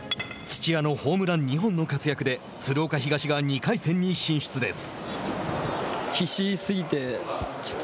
土屋のホームラン２本の活躍で鶴岡東が２回戦に進出です。